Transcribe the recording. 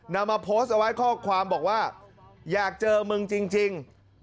นำมาโพสต์เอาไว้ข้อความบอกว่าอยากเจอมึงจริง